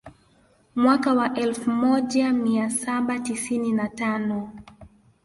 Mwaka wa elfu moja mia saba tisini na tano